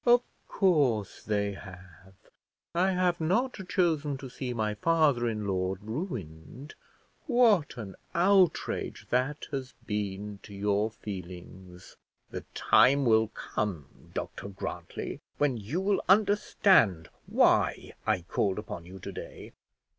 "Of course they have; I have not chosen to see my father in law ruined; what an outrage that has been to your feelings!" "The time will come, Dr Grantly, when you will understand why I called upon you to day."